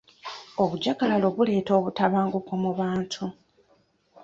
Obujjagalalo buleeta obutabanguko mu bantu.